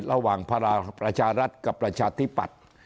ระหว่างพลังประชารัฐกับประชาธิปัตย์